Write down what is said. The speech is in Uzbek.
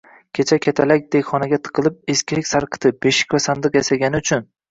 Kecha katalakdek xonaga tiqilib, “eskilik sarqiti” –beshik va sandiq yasagani uchun